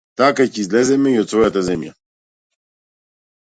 Така ќе излеземе и од својата земја.